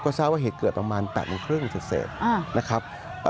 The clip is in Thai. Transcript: ก็ทราบว่าเหตุเกิดประมาณ๘โมงครึ่งเสร็จนะครับ